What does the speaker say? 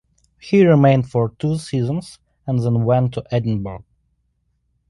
He remained for two seasons and then went to Edinburgh.